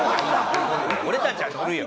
俺たちは乗るよ。